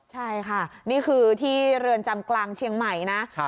ใช่ค่ะนี่คือที่เรือนจำกลางเชียงใหม่นะ